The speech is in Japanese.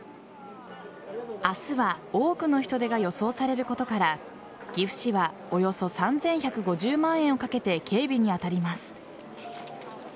明日は多くの人出が予想されることから岐阜市はおよそ３１５０万円をかけて警備に当たります。